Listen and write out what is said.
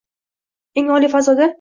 Eng oliy fazoda